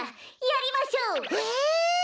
やりましょう！